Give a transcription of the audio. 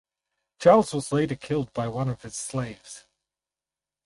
Charles was later killed by one of his slaves.